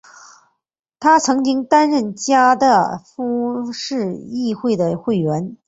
他曾经担任加的夫市议会的议员。